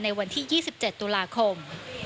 ในวันที่๒๗ตุลาคม